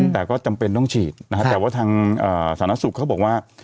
แต่ก็จำเป็นต้องฉีดแต่ว่าทางศาลนักศึกษ์เขาบอกว่า